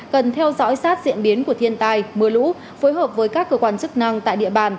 cần theo dõi sát diễn biến của thiên tai mưa lũ phối hợp với các cơ quan chức năng tại địa bàn